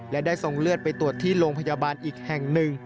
และได้ส่งเลือดไปตรวจที่โรงพยาบาลอีกแห่งหนึ่ง